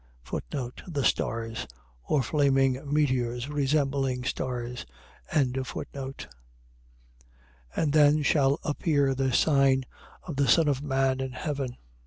The stars. . .Or flaming meteors resembling stars. 24:30. And then shall appear the sign of the Son of man in heaven.